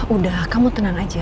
udah kamu tenang aja